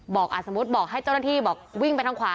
บอกอาจสมมติบอกให้เจ้าหน้าที่วิ่งไปทางขวา